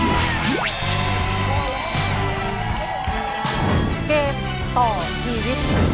ตัว